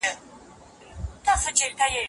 غيري سوله ييز سياستونه انساني زيانونه اړوي.